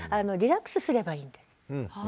リラックスすればいいんです。